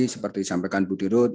seperti disampaikan ibu dirut